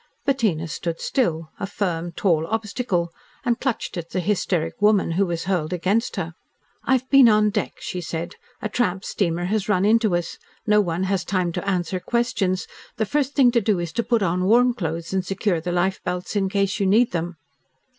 Bettina stood still, a firm, tall obstacle, and clutched at the hysteric woman who was hurled against her. "I've been on deck," she said. "A tramp steamer has run into us. No one has time to answer questions. The first thing to do is to put on warm clothes and secure the life belts in case you need them."